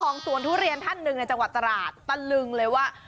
สวนทุเรียนท่านหนึ่งในจังหวัดตราดตะลึงเลยว่า